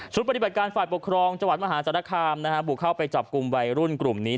ปฏิบัติการฝ่ายปกครองจังหวัดมหาศาลคามบุกเข้าไปจับกลุ่มวัยรุ่นกลุ่มนี้